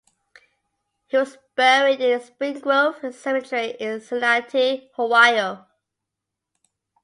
He was buried in Spring Grove Cemetery in Cincinnati, Ohio.